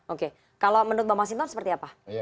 oke kalau menurut mbak mas hinton seperti apa